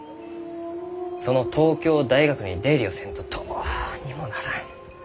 その東京大学に出入りをせんとどうにもならん。